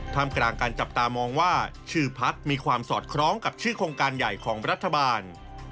ทำกลางการจับตามองว่าชื่อพักมีความสอดคล้องกับชื่อโครงการใหญ่ของรัฐบาล